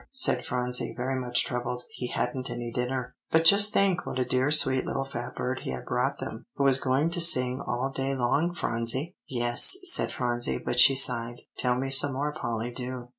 said Phronsie, very much troubled; "he hadn't any dinner." "But just think what a dear sweet little fat bird he had brought them, who was going to sing all day long, Phronsie!" "Yes," said Phronsie, but she sighed. "Tell me some more, Polly, do."